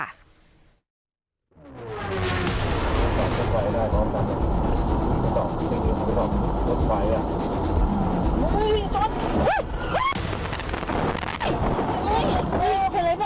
รถไฟได้รถไฟ